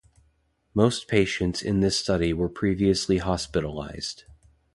Most patients in this study were previously hospitalized.